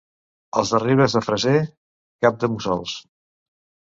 Els de Ribes de Freser, cap-de-mussols.